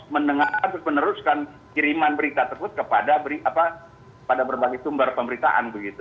mendengar terus meneruskan kiriman berita tersebut kepada berbagai sumber pemberitaan begitu